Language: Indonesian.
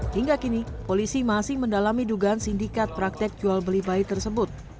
hingga kini polisi masih mendalami dugaan sindikat praktek jual beli bayi tersebut